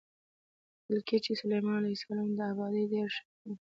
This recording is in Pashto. ویل کېږي چې سلیمان علیه السلام د ابادۍ ډېر شوقي و.